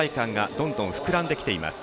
どんどん膨らんできています。